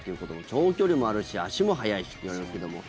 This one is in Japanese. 長距離もあるし足も速いしといわれますけども。